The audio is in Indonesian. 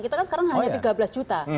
kita kan sekarang hanya tiga belas juta